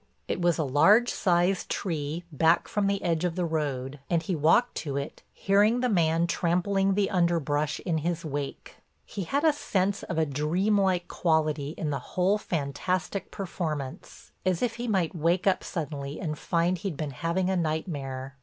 It was a large sized tree back from the edge of the road, and he walked to it hearing the man trampling the underbrush in his wake. He had a sense of a dreamlike quality in the whole fantastic performance, as if he might wake up suddenly and find he'd been having a nightmare.